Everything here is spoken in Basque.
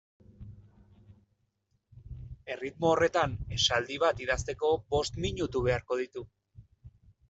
Erritmo horretan esaldi bat idazteko bost minutu beharko ditu.